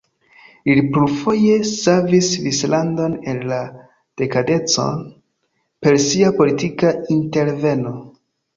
Li plurfoje savis Svislandon el la dekadenco per sia politika interveno.